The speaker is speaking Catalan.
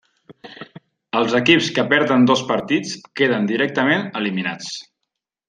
Els equips que perden dos partits queden directament eliminats.